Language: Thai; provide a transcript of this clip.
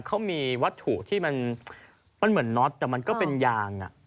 เขามีวัตถุที่มันเหมือนน็อตแต่มันก็เป็นยาง